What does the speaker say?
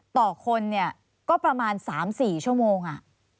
ต่อคนเนี่ยก็ประมาณ๓๔ชั่วโมง